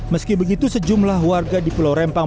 meski begitu sejumlah warga di pulau rempang